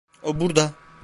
O burada!